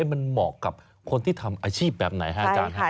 มันเหมาะกับคนที่ทำอาชีพแบบไหนฮะอาจารย์ครับ